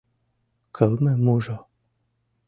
Кылмымужо!